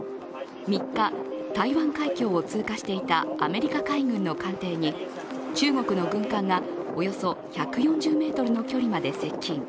３日、台湾海峡を通過していたアメリカ海軍の艦艇に中国の軍艦がおよそ１４０ｍの距離まで接近。